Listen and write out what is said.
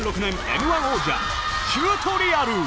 Ｍー１王者、チュートリアル。